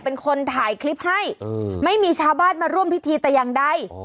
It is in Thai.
เป็นคนถ่ายคลิปให้เออไม่มีชาวบ้านมาร่วมพิธีแต่ยังได้อ๋อ